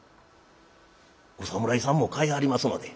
「お侍さんも買いはりますので？」。